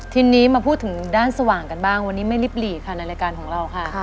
ทีนี้มาพูดถึงด้านสว่างกันบ้างวันนี้ไม่ลิบหลีกค่ะในรายการของเราค่ะ